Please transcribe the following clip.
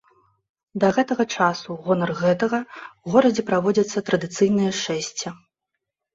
Да гэтага часу ў гонар гэтага ў горадзе праводзіцца традыцыйнае шэсце.